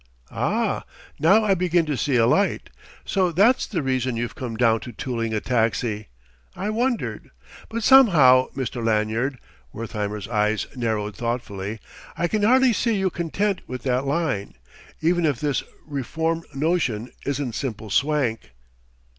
"Ah, now I begin to see a light! So that's the reason you've come down to tooling a taxi. I wondered! But somehow, Mr. Lanyard" Wertheimer's eyes narrowed thoughtfully "I can hardly see you content with that line... even if this reform notion isn't simple swank!"